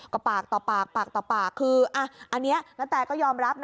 ก็ปากต่อปากคือนี่ณแตก็ยอมรับ